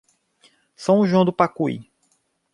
São João do Pacuí